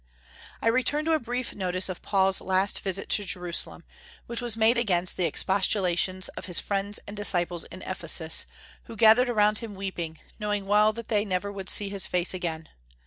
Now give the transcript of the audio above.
I return to a brief notice of Paul's last visit to Jerusalem, which was made against the expostulations of his friends and disciples in Ephesus, who gathered around him weeping, knowing well that they never would see his face again.